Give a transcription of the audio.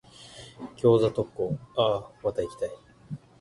餃子特講、あぁ、また行きたい。